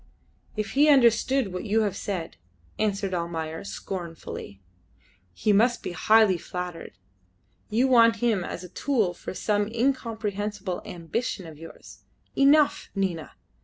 "If he understood what you have said," answered Almayer, scornfully, "he must be highly flattered. You want him as a tool for some incomprehensible ambition of yours. Enough, Nina.